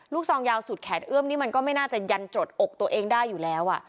ซองยาวสุดแขนเอื้อมนี่มันก็ไม่น่าจะยันจดอกตัวเองได้อยู่แล้ว